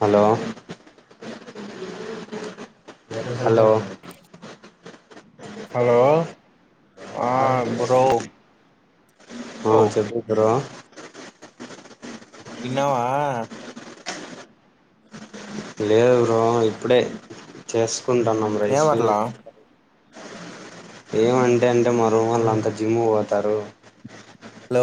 [inaudible] Hello hello hello ఆ bro ఆ ఓ చెప్పు బ్రో విన్నావా లేదు బ్రో ఇప్పుడే చేసుకుంటన్నాం రైసు ఏమట్లా ఏమంటే అంటే మా రుమోళ్ళు అంతా జిమ్ము పోతారు హలో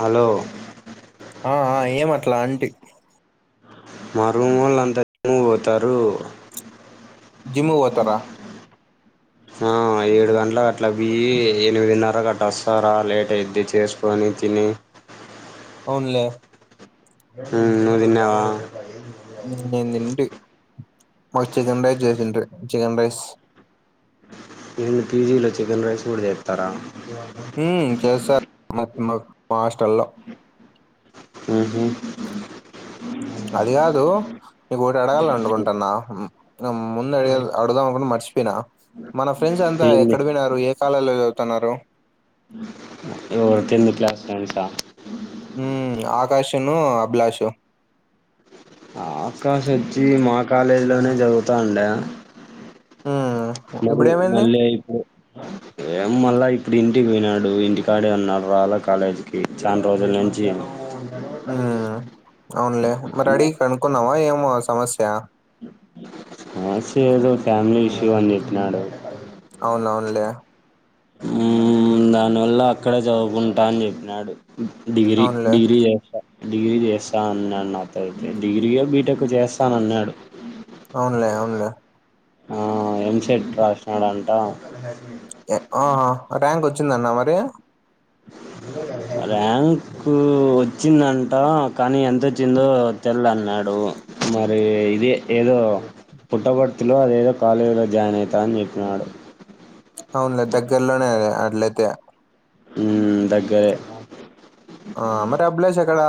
హలో ఆ ఆ ఏం అట్లా అంటి మా రూమోళ్లంతా [inaudible] కి పోతారు జిమ్ము కు పోతారా ఆ ఏడు గంటలకు అట్లా దిగి ఎనిమిదిన్నరకు అట్ట వస్తారా లేట్ అయితే చేసుకొని తిని అవునులే మ్మ్ నువ్వు తిన్నావా నేను తింటి మాకి చికెన్ రైస్ చేసిండ్రి చికన్ రైస్ మీ పీజీలో చికెన్ రైస్ కూడా చేత్తారా మ్మ్ చేస్తారు మాకు మాకు మా హాస్టల్లో ఉహు అది కాదు నీకు ఒకటి అడగాల అనుకుంటున్నా ముందు అడగ అడుగుదాం అనుకున్నా మర్చిపోయినా మన ఫ్రెండ్స్ అంతా ఏంది ఎక్కడ పోయినారు ఏ కాలేజీలల్లో చదువుతున్నారు ఎవరు టెత్ క్లాస్ ఫ్రెండ్స్ ఆ మ్మ్ ఆకాశ్ ను అభిలాషు ఆకాశ్ వచ్చి మా కాలేజీలోనే చదువుతాండే ఉనా మరి మళ్ళీ ఇప్పుడు ఏమో మళ్ళా ఇప్పుడు ఇంటికి పోయినాడు ఇంటికాడే అన్నాడు రాలా కాలేజీ కి చానా రోజుల నుంచి మ్మ్ అవునులే మరి అడిగి కనుకున్నావా ఏమో సమస్య సమస్య ఏదో ఫ్యామిలీ ఇష్యూ అని చెప్పినాడు అవునవునులే మ్మ్ దానివల్ల అక్కడే చదువుకుంటా అని చెప్పినాడు డిగ్రీ అవునులే డిగ్రీ చేస్తా డిగ్రీ చేస్తా అన్నాడు నాతో అయితే డిగ్రీ యో బీటెక్ చేస్తాను అన్నాడు అవునలే అవునులే ఆ ఎంసెట్ రాసినాడంట ఆహా ర్యాంక్ వచ్చిందాంటన మరి ర్యాంకు వచ్చిందంటా కానీ ఎంతొచ్చిందో తెల్ద్ అన్నాడు మరి ఇదే ఏదో పుట్టపర్తిలో అదేదో కాలేజీలో జాయిన్ అయితా అని చెప్పినాడు అవునులే దగ్గరలోనే అది అట్లయితే మ్మ్ దగ్గరే ఆ మరి అభిలాష్ ఎక్కడ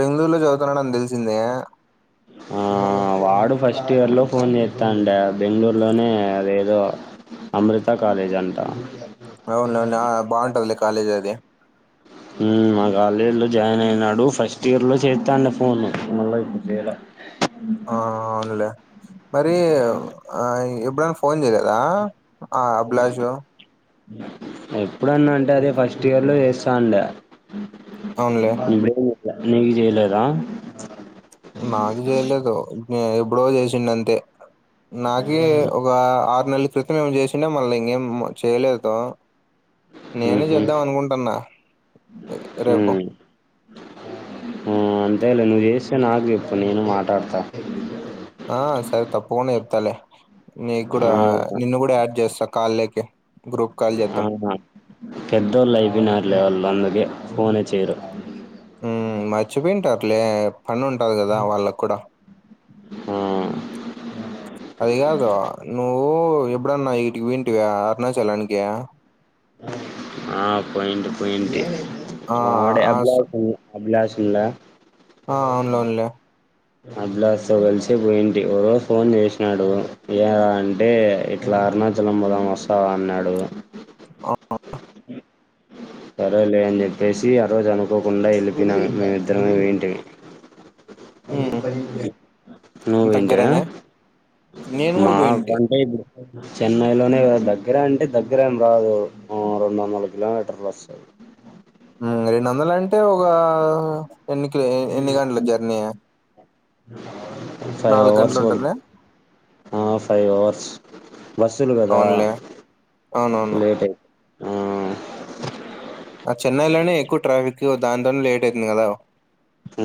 బెంగళూరులో చదువుతాన్నాడని తెలిసింది ఆ వాడు ఫస్ట్ ఇయర్ లో ఫోన్ చేత్తాండే బెంగళూరులోనే అదేదో అమృత కాలేజ్ అంటా అవునులే అవునులే ఆ బాగుంటాదిలే కాలేజ్ అది ఆ కాలేజీ లో జాయిన్ అయినాడు ఫస్ట్ ఇయర్ లో చేత్తాండే ఫోను మళ్ళా ఇప్పుడు చేయిలా అవునా ఆ అవునులే మరి ఎప్పుడన్నా ఆ ఫోన్ చేయలేదా ఆ అభిలాషు ఎప్పుడన్నా అంటే అదే ఫస్ట్ ఇయర్ లో చేస్తాండా అవునులే నీకు చేయలేదా నాకు చేయలేదు ఎప్పుడో చేసిండే అంతే నాకీ ఒక ఆరు నెలల క్రితం ఏం చేసిండా మళ్ళా ఇంకేం చేయలేదు నేనే మ్మ్ హ్మ్ చేద్దాం అనుకుంటున్నా రేపు హ్మ్ ఆ అంతేలే నువ్వు చేస్తే నాకు చెప్పు నేను మాట్లాడతా ఆ సరే తప్పుకుండా చేప్తాలే నీకు కూడా ఆ నిన్ను కూడా యాడ్ చేస్తా కాల్ లేకి గ్రూప్ కాల్ చేద్దాం ఆహా పెద్దోళ్ళు అయిపోయినారులే వాళ్ళు అందుకే ఫోనే చేయరు ఉం మర్చిపోయింటారులే పని ఉంటాది కదా వాళ్ళకు కూడా ఉం అది కాదు నువ్వు ఎప్పుడన్నా ఇటికి పోయిం టివ అరుణాచలానికి పోయిట్ పోయిట్ ఆడ ఆ అబ్లా స- [unintelligible] అభిలాష్ ఇల్లా ఆ, అవునులే అవునులే అభిలాష్ తో కలిసి పోయింటి ఒక రోజు ఫోన్ చేసినాడు ఏరా అంటే ఇట్లా అరుణాచలం పోదాం వస్తావా అన్నాడు ఆ [unintelligible] సరేలే అని చెప్పేసి ఆ రోజు అనుకోకుండా వెళ్ళపోనాను మేమిద్దరం ఏంటివి ఉమ్, నువ్వు పోయింటివా దగ్గరనే నేను మా కూడా పోయింటి కంటే చెన్నైలోనే దగ్గర అంటే దగ్గరేం రాదు రెండు వందందల కిలోమీటర్ల వస్తు ఉం రెండు వందలు అంటే ఒక ఎన్ని క ఎన్ని గంటల జర్నీ ఫైవ్ అవర్స్ గంటలు పడుదు ఉంటదా? ఆ ఫైవ్ అవర్స్ బస్సులు కదా అవునులే. అవునవును. లేట్ అయితు ఆ చెన్నైలోనే ఎక్కువ ట్రాఫిక్ దాంతోనే లేట్ అయితుంది కదా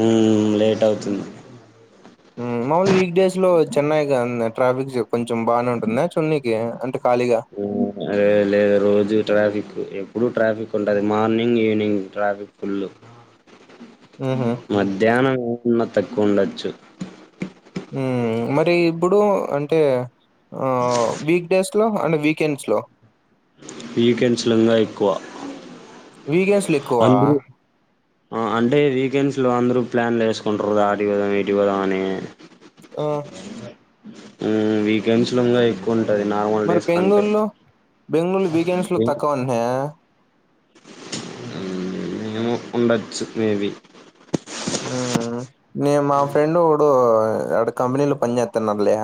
ఉం లేట్ అవుతుంది ఉం మాముూలు వీక్ డేస్ లో చెన్నై కా ట్రాఫిక్ చ్ కొంచెం బానే ఉంటుంద చూడనికి అంటే ఖాళీగా ఉం అదే లేదు లేదు రోజు ట్రాఫిక్ ఎప్పుడుూ ట్రాఫిక్ ఉంటది మార్నింగ్ ఈవినింగ్ ట్రాఫిక్ ఫుల్ హుహు. మధ్యాహ్నం ఏమన్నా తక్కువ ఉండొచ్చు ఉం మరి ఇప్పుడు అంటే ఆ వీక్ డేస్ లో అండ్ వీకెండ్స్ లో వీకెండ్స్ లో ఇంగ ఎక్కువ వీకెండ్స్ లో ఎక్కువ అందరూ అంటే వీకెండ్స్లో అందరూ ప్లాన్లు వేసుకుంటరుదా ఆటి పోదాం ఇటీ పోదాం అని ఆ ఉం వీకెండ్స్ లో ఇంగా ఎ ఉంటది నార్మల్ మరి డేస్ కంటే బెంగళూరులో బెంగళూరు వీకెండ్స్ లో ఏం తక్కువ ఉన్నాయా ఏమో ఉండచ్చు మేబి ఉం నే మా ఫ్రెండు ఇప్పుడు ఆడ కంపెనీలు పని చేస్తన్నారులే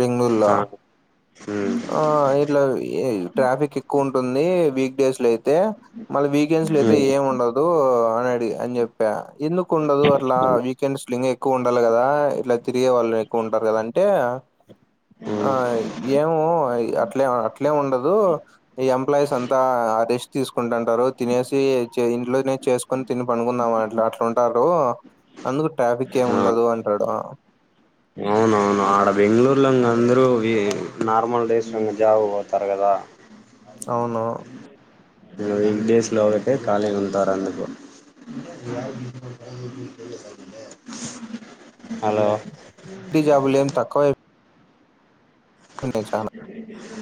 బెంగళూరులో ఆ మ్మ్ ఆ ఇట్లా ట్రాఫిక్ ఎక్కువ ఉంటుంది వీక్ డేస్ లో అయితే మళ్ళీ వీకెండ్స్ లో అయితే మ్మ్ ఏమి ఉండదు అని అడి అని చెప్పా ఎందుకు ఉండదు అట్లా వీ కెండ్స్ ఇంకా ఎక్కువ ఉండాలి కదా ఇట్లా తిరిగే వాళ్ళు ఎక్కువ ఉంటారు కదా అంటే ఆ మ్మ్ ఏమో అట్లే అట్లే ఉండదు ఈ ఎంప్లాయీస్ అంతా రెస్ట్ తీసుకుంటుంటారు తినేసి ఇంట్లోనే చేసుకు కొని తిని పండుకుందాం అట్లా అట్లాంటారు అందుకు ట్రాఫిక్ ఏమి ఆ ఉండదు అంటాడు అవునవును ఆడ బెంగళూరులో ఇంగ అందరూ ఈ నార్మల్ డేస్ లోనే జాబ్ పోతారు కదా అవును ఇలా వీక్డేస్ లో ఒకటే ఖాళీ ఉంటారు అందుకు చేళసగింద [inaudible] హలో ఐటీ జాబులేం తకువై ఉన్నాయ్ చాన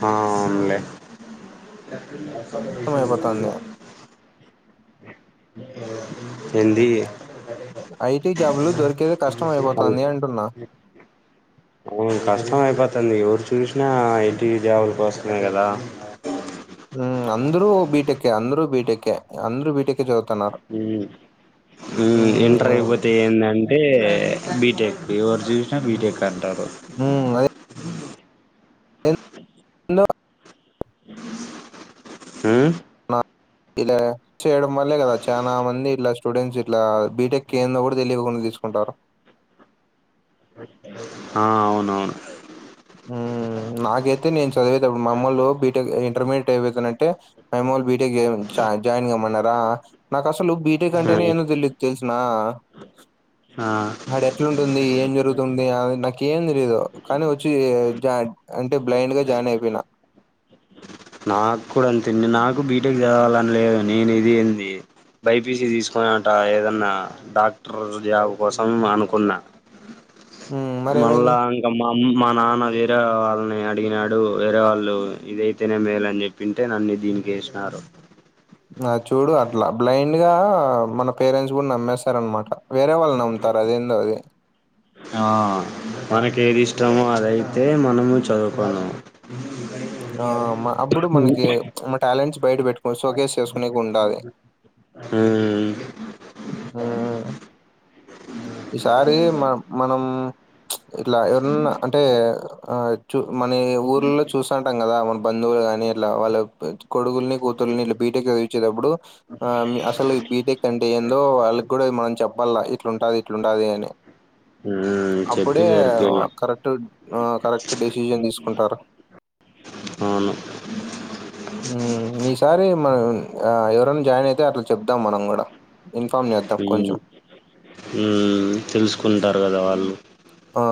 ఆవున్ లే కష్టం అయిపోతుంది అ ఏందీ ఐటీ జాబులు దొరికేది కష్టం అయిపోతాంది అంటున్నా ఊ కష్టం అయిపోతుంది ఎవరు చూసినా ఇంటి దేవుల కోస్ మే కదా హూ అంద్ రూ బీటెకే అంద్ రూ బీటెకే అంద్రూ బీటె కే చదువుతున్నారు హూ ఉమ్, ఇంటరైపోతే ఏందన్ టే బీటెక్ ఎవరు చూసినా బీటెక్ అంటారు హూ అదే హలో హూ ఇలా చేయడం వల్లే కదా చానా మంది ఇట్లా స్టూడెంట్స్ ఇట్లా బీటెక్ ఏందో కూడా తెలియకుండా తీసుకుంటారు ఆ అవునవును హు నాకైతే నేన్ చదివేటప్డు మామ్మోల్లు బీటెక్, ఇంటర్మీడియట్ అయిపోయిందనంటే మాయమ్మోల్ బీటేక్ చేయ్ చా జాయిన్ కామ్మన్నారా నాకసలు బీటెక్ అంటేనే ఉమ్ ఏందో తెలీదు తెల్సునా ఆ ఆడేట్లుంటుంది ఏం జరుగుతుంది అది నాకేం తెలీదు కానీ వచ్ చి జాడ్ అంటే బ్లైండ్ గా జాయిన్ అయిపోయిన నాక్కూడా అంతే అండి నాకు బీటెక్ చదవాలని లేదు నేను ఇది ఏంది బైపీసీ తీసుకునట ఏదన్నా డాక్టర్ జాబ్ కోసం అనుకున్నా హ్మ్. మళ్ళా మరేమైంది అం ఇక మా ఆమ్ మా నాన్న వేరే వాళ్ళని అడిగినాడు వేరే వాళ్ళు ఇదైతేనే మేలన్ చెప్ ప్పింటే నన్ని దీనికేసినారు నా చూడు అట్లా బ్లైండ్ గా మన పేరెంట్స్ కూడా నమ్మేస్తారు అనమాట వేరే వాళ్ళు నమ్మి తర్ అదేందో అది ఆ మనకేదిష్టమో అదైతే మనము చదువుకోన్నాం ఆ అమ్మ అప్పుడు మనకి మటాలెంట్స్ బయట పెట్టుకోవచ్చు షోకేస్ చేస్కోనేకుండాలి హూ ఆ ఈసారి మ మనం ఇట్లా ఎవరన్నా అంటే ఆ చూ మన ఊర్లో చూసంటాం కదా మన బంధువులు గాని ఇట్లా వాళ్ళ కొడుగుల్ని కూతుల్ని ఇట్ల బీటెక్ చదివిచ్చేదప్పుడు ఆమి అసలు ఈ బీటెక్ అంటే ఏందో వాళ్ళక్కూడా మనం చెప్పాల్ల ఇట్లుంటాది ఇట్లుంటాది అని ఉమ్ చెప్పి అప్పుడే చేర్పియాల కరెక్ట్ ఆ కరెక్ట్ డెసిషన్ తీస్కుంటారు ఉ ఊ ఈసారి మనం ఆ ఎవరైనా జాయిన్ అయితే అట్లా చెప్దాం మనం కూడా ఇన్ఫామ్ చేద్దాం కొంచెం మ్మ్ తెలుసుకుంటారు కదా వాళ్ళు ఆ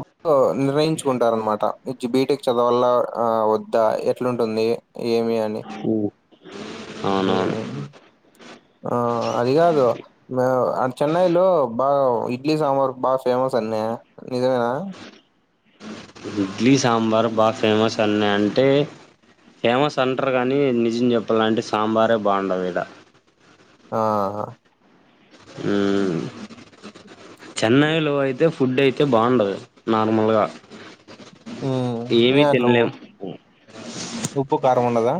అప్పు నిర్ణయించుకుంటారన్నమాట బీటెక్ చదవల్ల వద్దా ఎట్లుంటుంది. ఏమి అని ఉమ్, అవునవును ఆ అది కాదు చెన్నైలో బాగా ఇడ్లీ సాంబార్ బా ఫేమస్ అన్నే నిజమేనా ఇడ్లీ సాంబార్ బాగా ఫేమస్ అన్నే అంటే. ఫేమస్ అంటారు కానీ నిజం చెప్పాలంటే సాంబారే బాగుండదు ఈడ. ఆహ ఉమ్ చెన్నైలో అయితే ఫుడ్ అయితే బాగుండదు నార్మల్గా. మ్మ్ ఏమి ఏనట్లు ఉ తినలేం ఉప్పు కారం ఉండదా.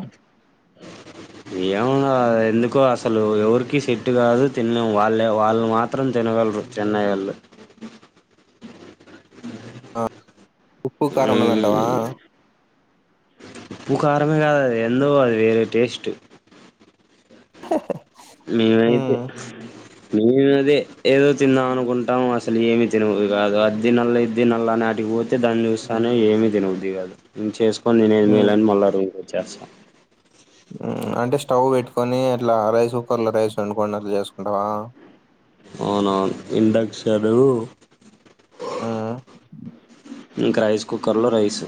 ఏమన్నా ఎందుకో అసలు ఎవరికి సెట్ కాదు తినలేము వాళ్ళే వాళ్ళు మాత్రం తినగలరు. చెన్నైఒళ్లు పూ కారం ఉండదంటావా హ్మ్. ఉప్పు కారమే కాదది ఎందో అది వేరే టేస్ట్ హే హే మేమైతే మేమదే ఏదో తిందాం అనుకుంటాము అసలు ఏమి తినం కాదు అద్దినల్ల ఇదినల్ల అనటికిపో తే దాన్ని చూస్తానే ఏమి తినబుద్ది కాదు. హ్మ్. ఇంచేసుకొనినేదిమేలని మళ్ళా రూమ్కొచ్చేస్తం. మ్మ్ అంటే స్టవ్ పెట్టుకని అట్లా రైస్ కుక్కర్ లో రైస్ వండుకోని అట్లా చేసుకుంటావా. అవునవును ఇండక్షను మ్మ్ ఇంక రైస్ కుక్కర్లో రైస్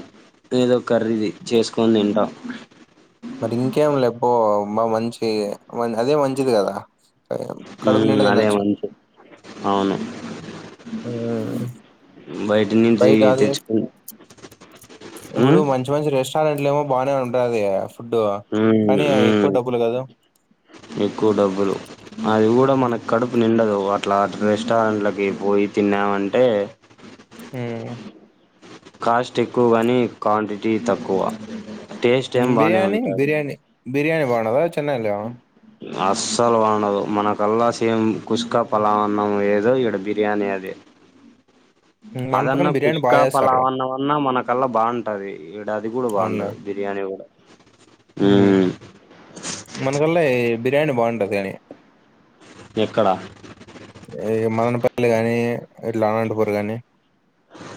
ఏదో ఖర్రీది చేసుకొని తింటం మరి ఇంకేం లేెపో మ మంచి అదే మంచిది కదా కడుపు నిండా మ్మ్ అదే తినొచ్చు మంచి అవును బయటి నుంచి బయట అది తెచ్చుకు ఇప్పుడు హ్మ్ మంచి మంచి మంచి రెస్టారెంట్లు ఏమో బానే ఉంటాది ఫుడ్ హ్మ్ కానీ ఎక్కువ హ్మ్ డబ్బులు కాదు ఎక్కువ డబ్బులు అది కూడా ఉమ్. మనకి కడుపు నిండదు అట్లా రెస్టారెంట్లకి పోయి తిన్నామంటే మ్మ్ కాస్ట్ ఎక్కువగాని క్వాంటిటీ తక్కువ టేస్ట్ ఏం బానే ఉంటాది. బిర్యాని బాగుండదా చెన్నైలో అస్సలు బాగుండదు. మనకల్లా సేమ్ కుష్కా పలావన్నం ఏదో ఈడ బిర్యానీ అదే. ఉమ్, మన పక్కన అదన్నా బిర్యానీ కుష్కా బాగా చేస్తారు పలావన్నం అన్నా మనకల్లా బాగుంటది. ఈడ అది కూడా అవునులే బాగుండదు. బిర్యాని కూడ ఉమ్. మనకల్లా బిర్యానీ బాగుంటది కానీ ఎక్కడ ఏ మదనపల్లి కానీ ఇట్లా అనంతపూర్ కానీ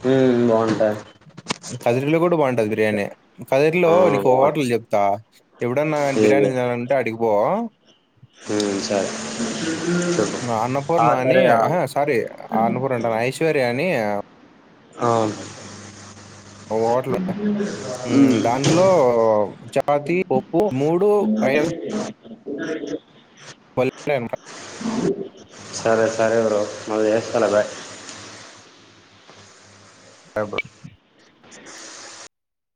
మ్మ్ బాగుంటాది. కదిరీలో కూడా బాగుంటది బిర్యానీ ఆ! కదిరిలో నీకు ఓ బావుం హోటల్ చెప్తా ఎప్పుడన్నా బిర్యానీ తినాలంటే ఆటికిపో మ్మ్ సరే చెప్పు. ఆ! అన్నపూర్ణ అని సరే ఆ! ఆహా సారీ అన్నపూర్ణ అంటన ఐశ్వర్య అని అవును ఓ హోటల్ ఉమ్ దాంట్లో చపాతీ, పప్పు మూడు ఐయ్యేర్. [inaudible] [unintelligible] సరే సరే బ్రో మళ్ళీ చేస్తాలే. బాయ్ [inaudible] [inaudible]